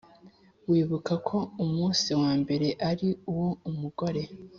wibuka ko umunsi wa mbere ari uwo umugore